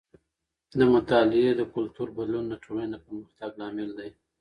د مطالعې د کلتور بدلون د ټولنې د پرمختګ لامل دی.